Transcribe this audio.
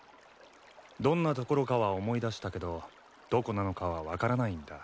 どんなところかは思い出したけどどこなのかは分からないんだ。